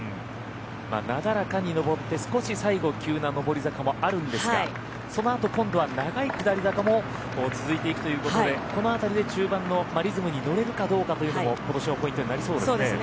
なだらかに上って、少し最後急な上り坂もあるんですけどそのあと今度は長い下り坂も続いていくということでこの辺りで中盤のリズムに乗れるかというところも今年のポイントになりそうですね。